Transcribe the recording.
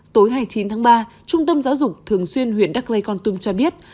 tối hai mươi chín tháng ba trung tâm giáo dục thường xuyên huyện đắk lê con tum cho biết